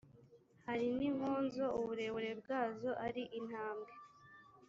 hari n’inkonzo uburebure bwazo ari intambwe